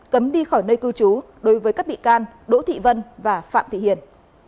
cấm đi khỏi nơi cư trú đối với các bị can đỗ thị vân và phạm thị hiền